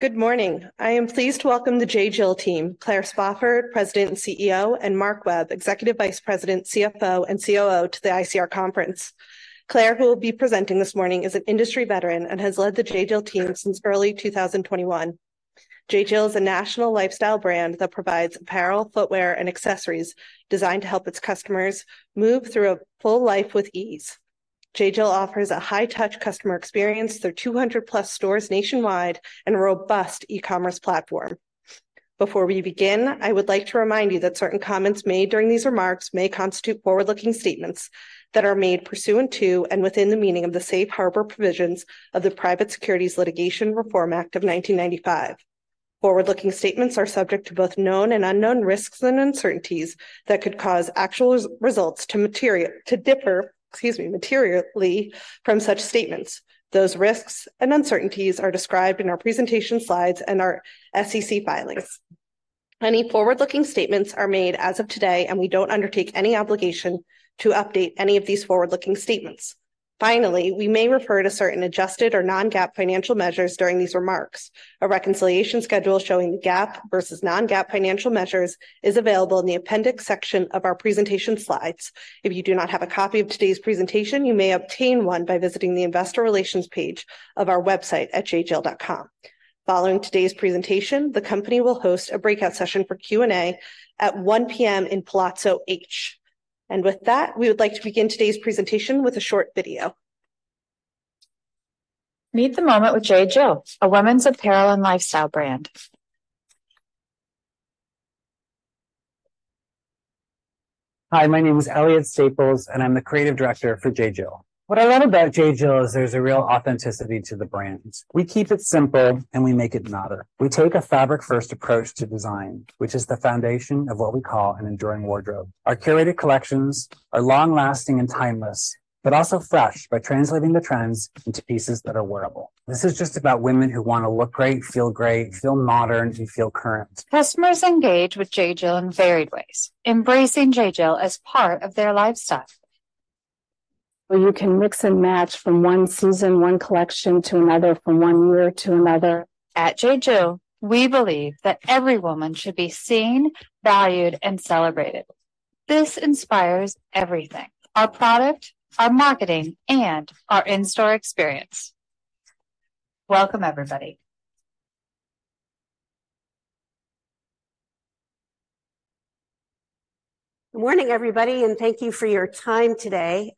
Good morning. I am pleased to welcome the J.Jill team, Claire Spofford, President and CEO, and Mark Webb, Executive Vice President, CFO, and COO, to the ICR conference. Claire, who will be presenting this morning, is an industry veteran and has led the J.Jill team since early 2021. J.Jill is a national lifestyle brand that provides apparel, footwear, and accessories designed to help its customers move through a full life with ease. J.Jill offers a high-touch customer experience through 200+ stores nationwide and a robust e-commerce platform. Before we begin, I would like to remind you that certain comments made during these remarks may constitute forward-looking statements that are made pursuant to and within the meaning of the Safe Harbor Provisions of the Private Securities Litigation Reform Act of 1995. Forward-looking statements are subject to both known and unknown risks and uncertainties that could cause actual results to differ materially from such statements. Those risks and uncertainties are described in our presentation slides and our SEC filings. Any forward-looking statements are made as of today, and we don't undertake any obligation to update any of these forward-looking statements. Finally, we may refer to certain adjusted or non-GAAP financial measures during these remarks. A reconciliation schedule showing GAAP versus non-GAAP financial measures is available in the appendix section of our presentation slides. If you do not have a copy of today's presentation, you may obtain one by visiting the investor relations page of our website at jjill.com. Following today's presentation, the company will host a breakout session for Q&A at 1:00 P.M. in Palazzo H. With that, we would like to begin today's presentation with a short video. Meet the moment with J.Jill, a women's apparel and lifestyle brand. Hi, my name is Elliot Staples, and I'm the Creative Director for J.Jill. What I love about J.Jill is there's a real authenticity to the brand. We keep it simple, and we make it modern. We take a fabric-first approach to design, which is the foundation of what we call an enduring wardrobe. Our curated collections are long-lasting and timeless, but also fresh, by translating the trends into pieces that are wearable. This is just about women who wanna look great, feel great, feel modern, and feel current. Customers engage with J.Jill in varied ways, embracing J.Jill as part of their lifestyle. Well, you can mix and match from one season, one collection to another, from one year to another. At J.Jill, we believe that every woman should be seen, valued, and celebrated. This inspires everything: our product, our marketing, and our in-store experience. Welcome, everybody. Good morning, everybody, and thank you for your time today.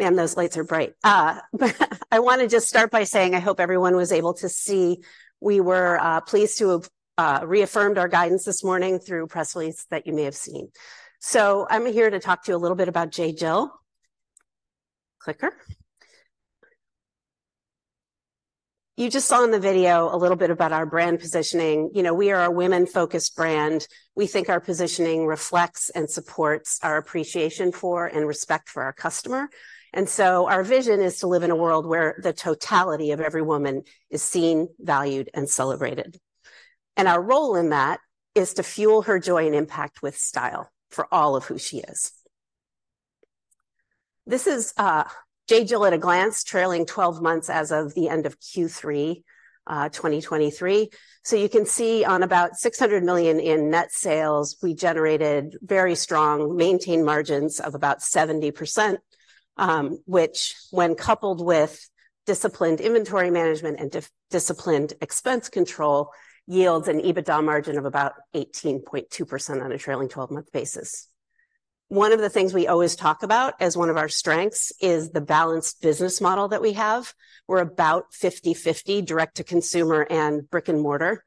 Man, those lights are bright. I wanna just start by saying I hope everyone was able to see. We were pleased to have reaffirmed our guidance this morning through a press release that you may have seen. So I'm here to talk to you a little bit about J.Jill. Clicker. You just saw in the video a little bit about our brand positioning. You know, we are a women-focused brand. We think our positioning reflects and supports our appreciation for and respect for our customer. And so our vision is to live in a world where the totality of every woman is seen, valued, and celebrated. And our role in that is to fuel her joy and impact with style for all of who she is. This is J.Jill at a glance, trailing twelve months as of the end of Q3, 2023. So you can see on about $600 million in net sales, we generated very strong maintained margins of about 70%, which, when coupled with disciplined inventory management and disciplined expense control, yields an EBITDA margin of about 18.2% on a trailing 12-month basis. One of the things we always talk about as one of our strengths is the balanced business model that we have. We're about 50/50 Direct-to-Consumer and brick-and-mortar.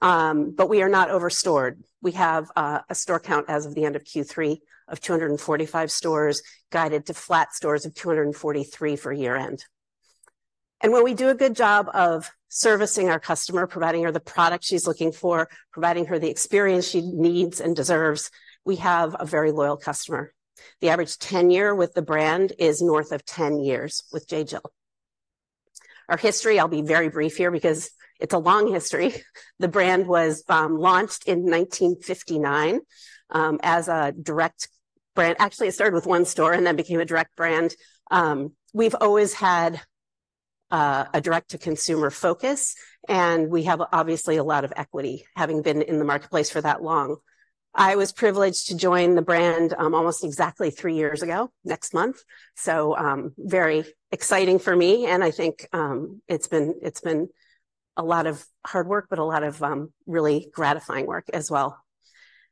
But we are not over-stored. We have a store count as of the end of Q3 of 245 stores, guided to flat stores of 243 for year-end. When we do a good job of servicing our customer, providing her the product she's looking for, providing her the experience she needs and deserves, we have a very loyal customer. The average tenure with the brand is north of 10 years with J.Jill. Our history, I'll be very brief here because it's a long history. The brand was launched in 1959 as a direct brand. Actually, it started with one store and then became a direct brand. We've always had a Direct-to-Consumer focus, and we have obviously a lot of equity, having been in the marketplace for that long. I was privileged to join the brand almost exactly three years ago, next month, so very exciting for me, and I think it's been a lot of hard work, but a lot of really gratifying work as well.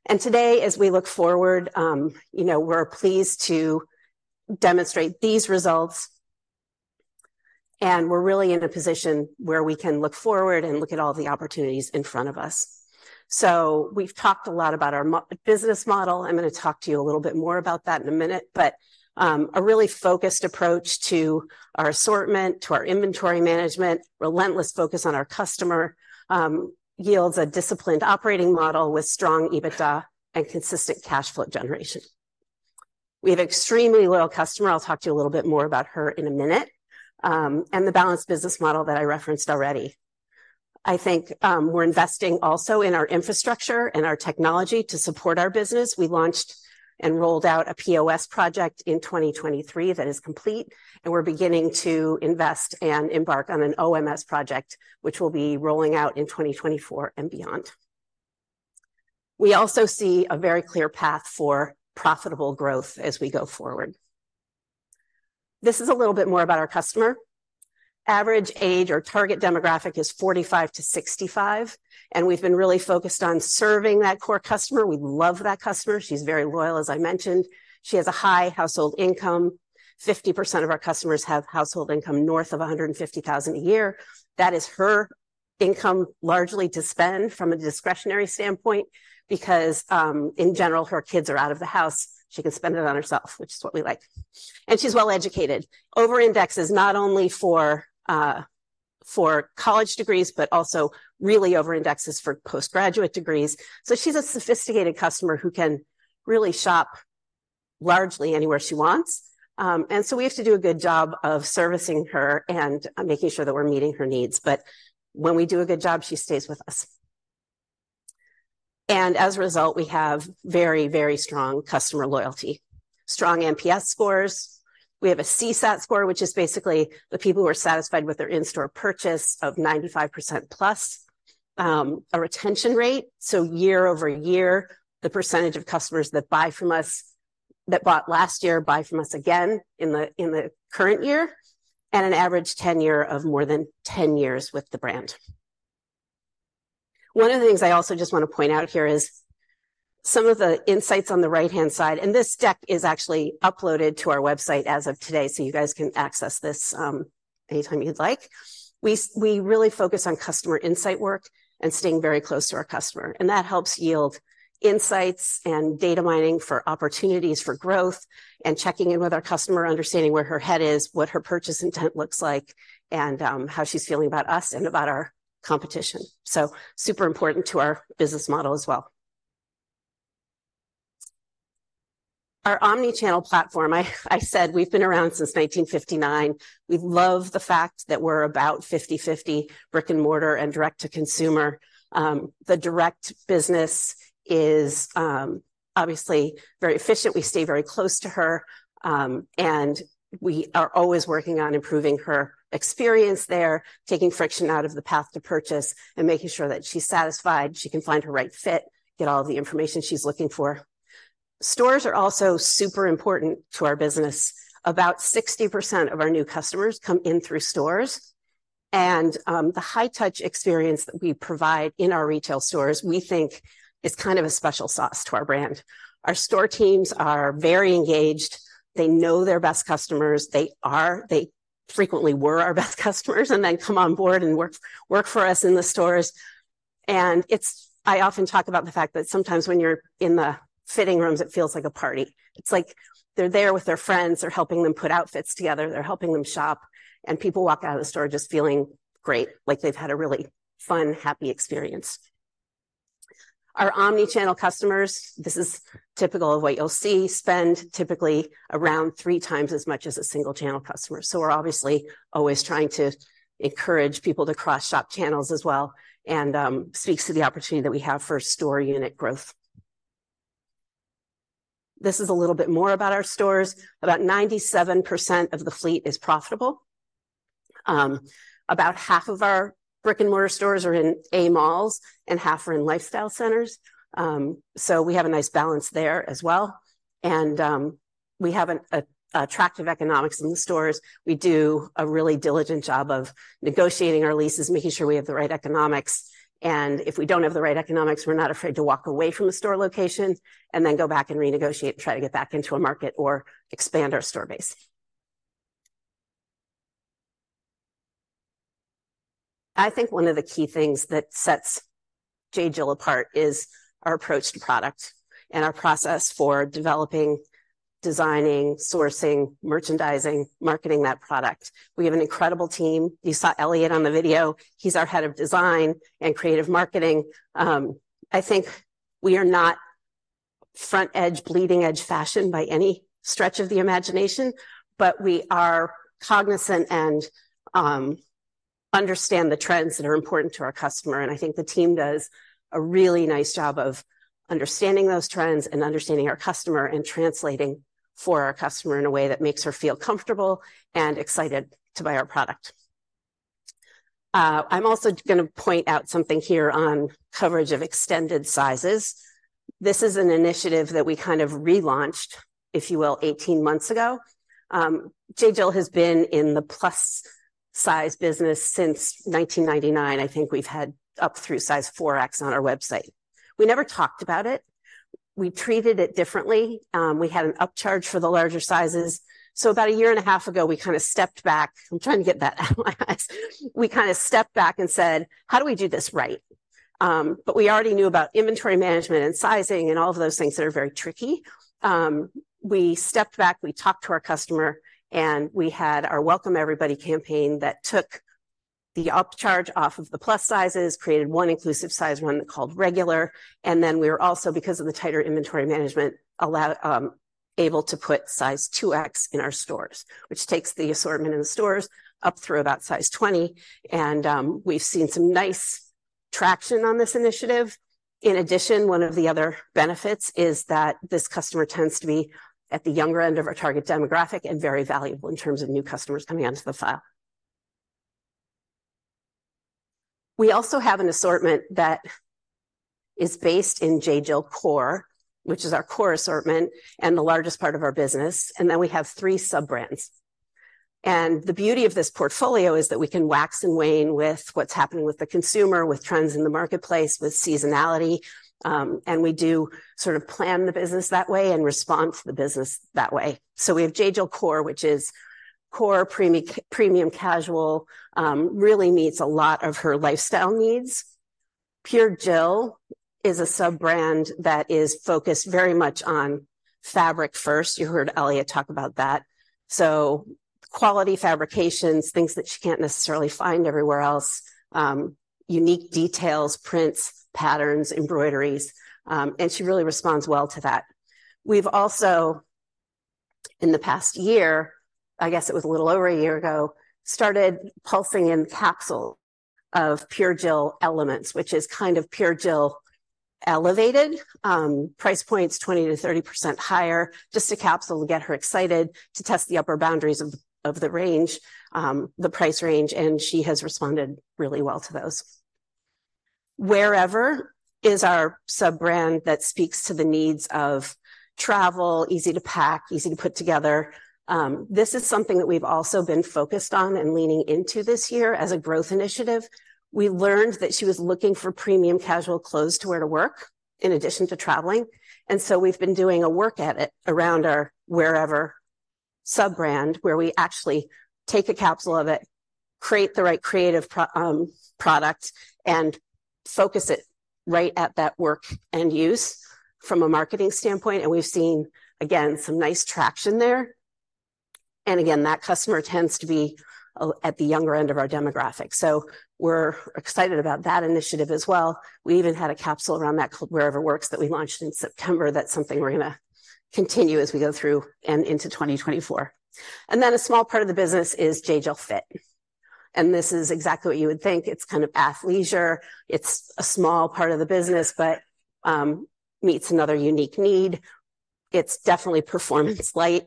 And today, as we look forward, you know, we're pleased to demonstrate these results, and we're really in a position where we can look forward and look at all the opportunities in front of us. So we've talked a lot about our business model. I'm gonna talk to you a little bit more about that in a minute. But a really focused approach to our assortment, to our inventory management, relentless focus on our customer, yields a disciplined operating model with strong EBITDA and consistent cash flow generation. We have an extremely loyal customer, I'll talk to you a little bit more about her in a minute, and the balanced business model that I referenced already. I think, we're investing also in our infrastructure and our technology to support our business. We launched and rolled out a POS project in 2023 that is complete, and we're beginning to invest and embark on an OMS project, which will be rolling out in 2024 and beyond. We also see a very clear path for profitable growth as we go forward. This is a little bit more about our customer. Average age, our target demographic is 45-65, and we've been really focused on serving that core customer. We love that customer. She's very loyal, as I mentioned. She has a high household income. 50% of our customers have household income north of $150,000 a year. That is her income, largely to spend from a discretionary standpoint, because, in general, her kids are out of the house. She can spend it on herself, which is what we like. She's well-educated. Over indexes, not only for, for college degrees, but also really over indexes for postgraduate degrees. So she's a sophisticated customer who can really shop largely anywhere she wants. And so we have to do a good job of servicing her and making sure that we're meeting her needs. But when we do a good job, she stays with us. And as a result, we have very, very strong customer loyalty, strong NPS scores. We have a CSAT score, which is basically the people who are satisfied with their in-store purchase of 95%, plus a retention rate. So year-over-year, the percentage of customers that buy from us, that bought last year buy from us again in the, in the current year, and an average tenure of more than 10 years with the brand. One of the things I also just want to point out here is some of the insights on the right-hand side, and this deck is actually uploaded to our website as of today, so you guys can access this anytime you'd like. We really focus on customer insight work and staying very close to our customer, and that helps yield insights and data mining for opportunities for growth and checking in with our customer, understanding where her head is, what her purchase intent looks like, and how she's feeling about us and about our competition. So super important to our business model as well. Our omni-channel platform, I said we've been around since 1959. We love the fact that we're about 50/50, brick-and-mortar and Direct-to-Consumer. The direct business is obviously very efficient. We stay very close to her, and we are always working on improving her experience there, taking friction out of the path to purchase and making sure that she's satisfied, she can find her right fit, get all the information she's looking for. Stores are also super important to our business. About 60% of our new customers come in through stores, and the high-touch experience that we provide in our retail stores, we think is kind of a special sauce to our brand. Our store teams are very engaged. They know their best customers. They frequently were our best customers, and then come on board and work for us in the stores. I often talk about the fact that sometimes when you're in the fitting rooms, it feels like a party. It's like they're there with their friends, they're helping them put outfits together, they're helping them shop, and people walk out of the store just feeling great, like they've had a really fun, happy experience. Our omni-channel customers, this is typical of what you'll see, spend typically around three times as much as a single-channel customer. So we're obviously always trying to encourage people to cross-shop channels as well and speaks to the opportunity that we have for store unit growth. This is a little bit more about our stores. About 97% of the fleet is profitable. About half of our brick-and-mortar stores are in A malls, and half are in lifestyle centers. So we have a nice balance there as well, and we have an attractive economics in the stores. We do a really diligent job of negotiating our leases, making sure we have the right economics, and if we don't have the right economics, we're not afraid to walk away from the store location and then go back and renegotiate and try to get back into a market or expand our store base. I think one of the key things that sets J.Jill apart is our approach to product and our process for developing, designing, sourcing, merchandising, marketing that product. We have an incredible team. You saw Elliot on the video. He's our head of design and creative marketing. I think we are not front edge, bleeding-edge fashion by any stretch of the imagination, but we are cognizant and understand the trends that are important to our customer, and I think the team does a really nice job of understanding those trends and understanding our customer and translating for our customer in a way that makes her feel comfortable and excited to buy our product. I'm also gonna point out something here on coverage of extended sizes. This is an initiative that we kind of relaunched, if you will, 18 months ago. J.Jill has been in the plus size business since 1999. I think we've had up through size 4X on our website. We never talked about it. We treated it differently. We had an upcharge for the larger sizes. So about a year and a half ago, we kind of stepped back... I'm trying to get that out of my eyes. We kind of stepped back and said: How do we do this right? But we already knew about inventory management and sizing and all of those things that are very tricky. We stepped back, we talked to our customer, and we had our Welcome Everybody campaign that took the upcharge off of the plus sizes, created one inclusive size, one called regular. And then we were also, because of the tighter inventory management, able to put size 2X in our stores, which takes the assortment in the stores up through about size 20, and we've seen some nice traction on this initiative. In addition, one of the other benefits is that this customer tends to be at the younger end of our target demographic and very valuable in terms of new customers coming onto the file... We also have an assortment that is based in J.Jill Core, which is our core assortment and the largest part of our business, and then we have three sub-brands. The beauty of this portfolio is that we can wax and wane with what's happening with the consumer, with trends in the marketplace, with seasonality, and we do sort of plan the business that way and respond to the business that way. So we have J.Jill Core, which is core premium casual. Really meets a lot of her lifestyle needs. Pure Jill is a sub-brand that is focused very much on fabric first. You heard Elliot talk about that. So quality fabrications, things that she can't necessarily find everywhere else, unique details, prints, patterns, embroideries, and she really responds well to that. We've also, in the past year, I guess it was a little over a year ago, started pulsing in capsule of Pure Jill Elements, which is kind of Pure Jill elevated. Price point's 20%-30% higher. Just a capsule to get her excited to test the upper boundaries of, of the range, the price range, and she has responded really well to those. Wearever is our sub-brand that speaks to the needs of travel, easy to pack, easy to put together. This is something that we've also been focused on and leaning into this year as a growth initiative. We learned that she was looking for premium casual clothes to wear to work, in addition to traveling, and so we've been doing a work edit around our Wearever sub-brand, where we actually take a capsule of it, create the right creative proper product, and focus it right at that work end use from a marketing standpoint, and we've seen, again, some nice traction there. And again, that customer tends to be at the younger end of our demographic, so we're excited about that initiative as well. We even had a capsule around that called Wearever Works that we launched in September. That's something we're gonna continue as we go through and into 2024. And then a small part of the business is J.Jill FIT and this is exactly what you would think. It's kind of athleisure. It's a small part of the business, but meets another unique need. It's definitely performance light,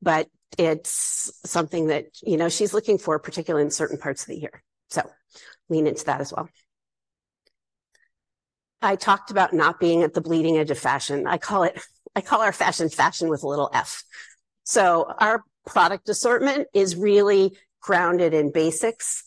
but it's something that, you know, she's looking for, particularly in certain parts of the year, so lean into that as well. I talked about not being at the bleeding edge of fashion. I call our fashion, fashion with a little f. So our product assortment is really grounded in basics,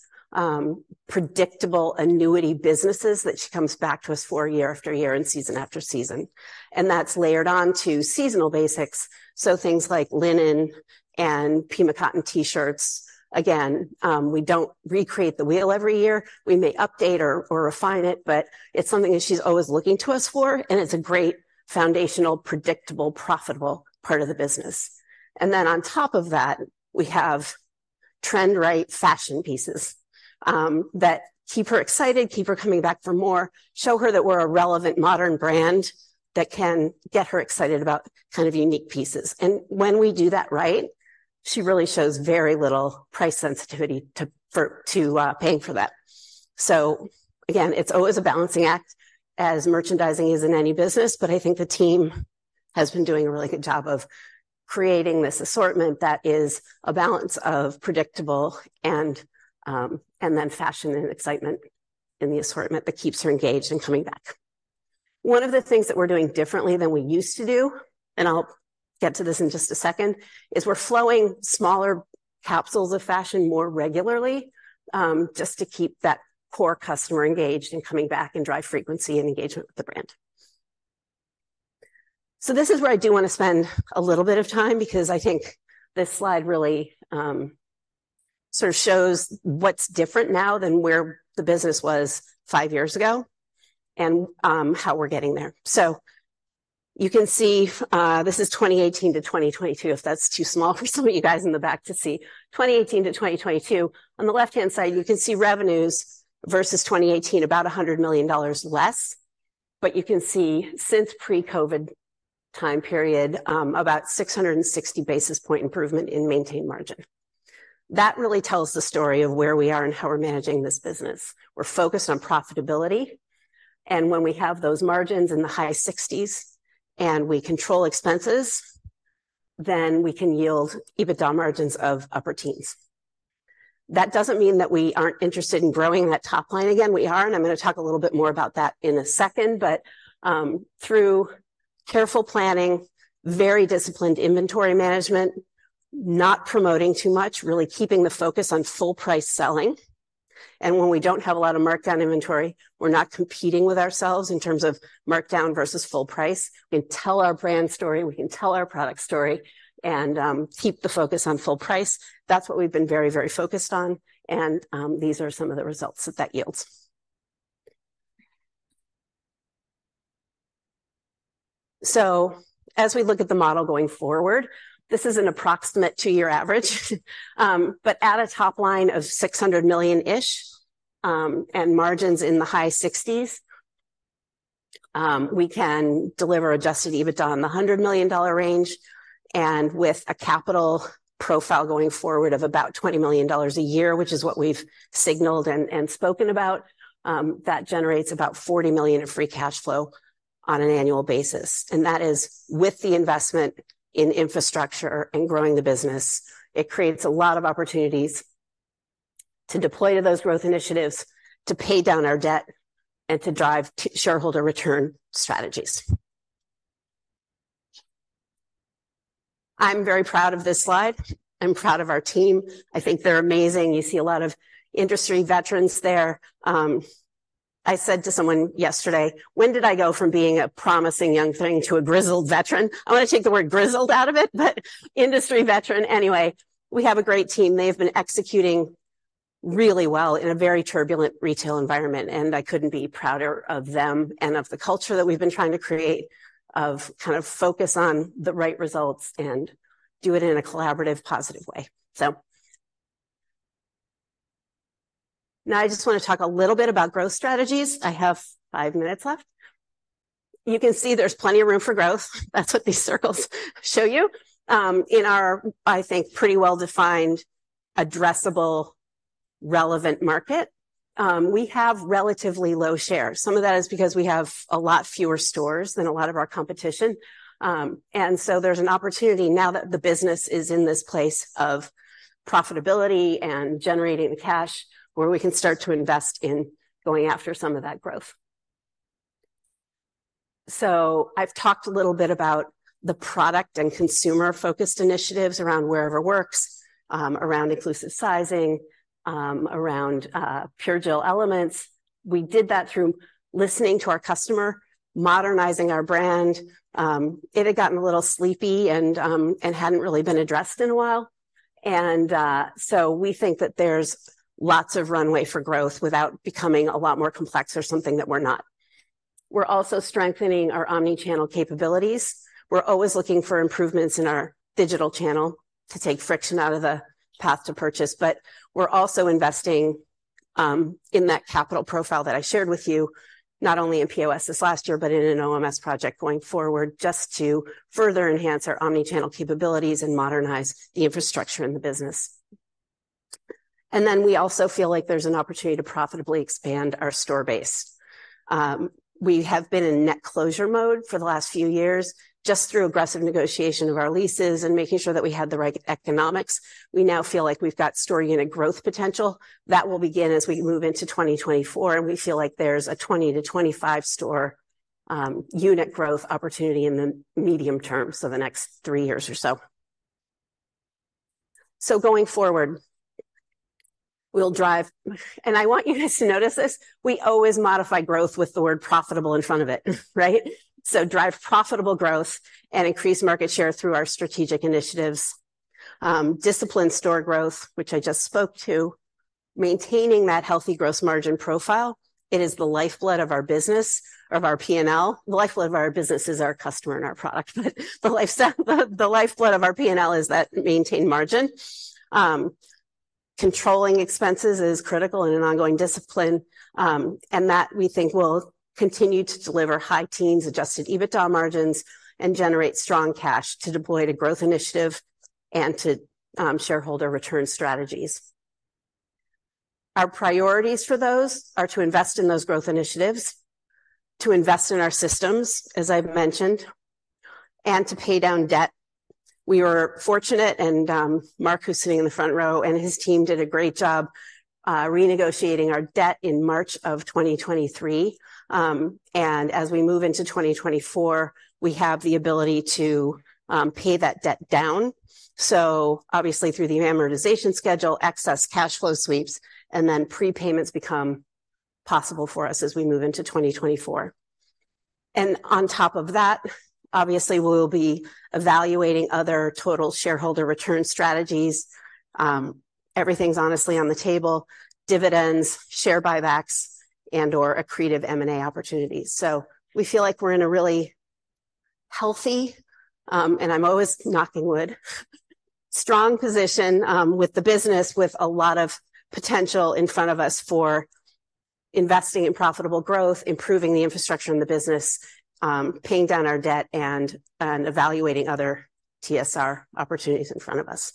predictable annuity businesses that she comes back to us for year after year and season after season, and that's layered on to seasonal basics, so things like linen and Pima cotton T-shirts. Again, we don't recreate the wheel every year. We may update or refine it, but it's something that she's always looking to us for, and it's a great foundational, predictable, profitable part of the business. And then on top of that, we have trend-right fashion pieces that keep her excited, keep her coming back for more, show her that we're a relevant, modern brand that can get her excited about kind of unique pieces. And when we do that right, she really shows very little price sensitivity to paying for that. So again, it's always a balancing act as merchandising is in any business, but I think the team has been doing a really good job of creating this assortment that is a balance of predictable and then fashion and excitement in the assortment that keeps her engaged and coming back. One of the things that we're doing differently than we used to do, and I'll get to this in just a second, is we're flowing smaller capsules of fashion more regularly, just to keep that core customer engaged and coming back and drive frequency and engagement with the brand. So this is where I do want to spend a little bit of time because I think this slide really, sort of shows what's different now than where the business was five years ago and, how we're getting there. So you can see, this is 2018-2022, if that's too small for some of you guys in the back to see. 2018-2022. On the left-hand side, you can see revenues versus 2018, about $100 million less, but you can see since pre-COVID time period, about 660 basis point improvement in maintained margin. That really tells the story of where we are and how we're managing this business. We're focused on profitability, and when we have those margins in the high 60s and we control expenses, then we can yield EBITDA margins of upper teens. That doesn't mean that we aren't interested in growing that top line again. We are, and I'm gonna talk a little bit more about that in a second, but, through careful planning, very disciplined inventory management, not promoting too much, really keeping the focus on full price selling, and when we don't have a lot of markdown inventory, we're not competing with ourselves in terms of markdown versus full price. We can tell our brand story, we can tell our product story, and keep the focus on full price. That's what we've been very, very focused on, and these are some of the results that that yields. So as we look at the model going forward, this is an approximate two-year average, but at a top line of $600 million-ish, and margins in the high 60s%, we can deliver adjusted EBITDA in the $100 million range, and with a capital profile going forward of about $20 million a year, which is what we've signaled and spoken about, that generates about $40 million in Free Cash Flow on an annual basis, and that is with the investment in infrastructure and growing the business. It creates a lot of opportunities to deploy to those growth initiatives, to pay down our debt, and to drive the shareholder return strategies. I'm very proud of this slide. I'm proud of our team. I think they're amazing. You see a lot of industry veterans there. I said to someone yesterday: "When did I go from being a promising young thing to a grizzled veteran?" I wanna take the word grizzled out of it, but industry veteran. Anyway, we have a great team. They've been executing really well in a very turbulent retail environment, and I couldn't be prouder of them and of the culture that we've been trying to create, of kind of focus on the right results and do it in a collaborative, positive way. So now, I just wanna talk a little bit about growth strategies. I have five minutes left. You can see there's plenty of room for growth. That's what these circles show you. In our, I think, pretty well-defined, addressable, relevant market, we have relatively low shares. Some of that is because we have a lot fewer stores than a lot of our competition. And so there's an opportunity now that the business is in this place of profitability and generating cash, where we can start to invest in going after some of that growth. So I've talked a little bit about the product and consumer-focused initiatives around Wearever Works, around inclusive sizing, around Pure Jill Elements. We did that through listening to our customer, modernizing our brand. It had gotten a little sleepy and hadn't really been addressed in a while, and so we think that there's lots of runway for growth without becoming a lot more complex or something that we're not. We're also strengthening our omni-channel capabilities. We're always looking for improvements in our digital channel to take friction out of the path to purchase, but we're also investing in that capital profile that I shared with you, not only in POS this last year, but in an OMS project going forward, just to further enhance our omni-channel capabilities and modernize the infrastructure in the business. Then we also feel like there's an opportunity to profitably expand our store base. We have been in net closure mode for the last few years, just through aggressive negotiation of our leases and making sure that we had the right economics. We now feel like we've got store unit growth potential. That will begin as we move into 2024, and we feel like there's a 20 to 25 store unit growth opportunity in the medium term, so the next three years or so. So going forward, we'll drive. And I want you guys to notice this: We always modify growth with the word profitable in front of it, right? So drive profitable growth and increase market share through our strategic initiatives. Discipline store growth, which I just spoke to. Maintaining that healthy gross margin profile, it is the lifeblood of our business, of our P&L. The lifeblood of our business is our customer and our product, but the lifestyle, the lifeblood of our P&L is that maintained margin. Controlling expenses is critical and an ongoing discipline, and that we think will continue to deliver high teens adjusted EBITDA margins, and generate strong cash to deploy to growth initiatives and to shareholder return strategies. Our priorities for those are to invest in those growth initiatives, to invest in our systems, as I've mentioned, and to pay down debt. We were fortunate, and Mark, who's sitting in the front row, and his team did a great job renegotiating our debt in March of 2023. As we move into 2024, we have the ability to pay that debt down, so obviously through the amortization schedule, excess cash flow sweeps, and then prepayments become possible for us as we move into 2024. On top of that, obviously, we'll be evaluating other total shareholder return strategies. Everything's honestly on the table: dividends, share buybacks, and/or accretive M&A opportunities. So we feel like we're in a really healthy, and I'm always knocking wood, strong position, with the business, with a lot of potential in front of us for investing in profitable growth, improving the infrastructure in the business, paying down our debt, and, and evaluating other TSR opportunities in front of us.